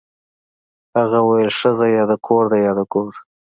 هغه ویل ښځه یا د کور ده یا د ګور